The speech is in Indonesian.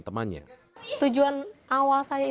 terima kons tactik